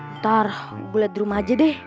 ntar gue liat di rumah aja deh